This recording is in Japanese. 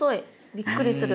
びっくりする。